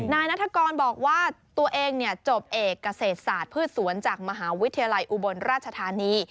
นัฐกรบอกว่าตัวเองจบเอกเกษตรศาสตร์พืชสวนจากมหาวิทยาลัยอุบลราชธานี